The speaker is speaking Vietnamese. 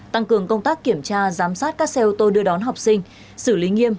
tăng cường công tác kiểm tra giám sát các xe ô tô đưa đón học sinh xử lý nghiêm